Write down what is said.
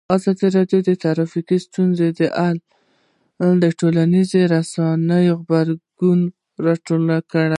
ازادي راډیو د ټرافیکي ستونزې په اړه د ټولنیزو رسنیو غبرګونونه راټول کړي.